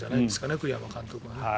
栗山監督はね。